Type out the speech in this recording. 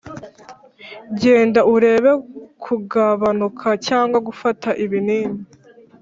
genda urebe kugabanuka cyangwa gufata ibinini,